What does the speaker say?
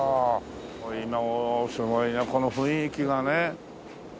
おおすごいねこの雰囲気がね。